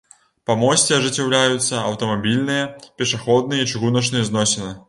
Па мосце ажыццяўляюцца аўтамабільныя, пешаходныя і чыгуначныя зносіны.